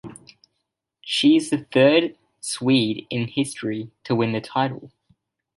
She is the third Swede in history to win the title.